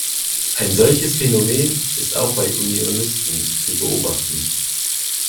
Ein solches Phänomen ist auch bei den Unionisten zu beobachten.